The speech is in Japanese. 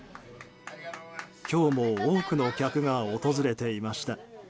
今日も多くの客が訪れていました。